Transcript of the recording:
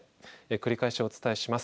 繰り返しお伝えします。